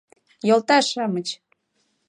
— Йолташ-шамыч!